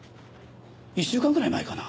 １週間くらい前かな。